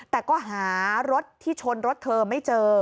แต่ก็หารถที่ชนรถเธอไม่เจอ